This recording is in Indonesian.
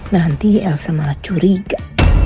nanti elsa malah curiga